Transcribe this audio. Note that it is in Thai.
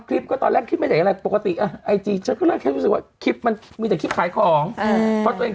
พักก็บอกว่าก็ทำคลิปก็ตอนแรกคลิปไม่ได้ยังไง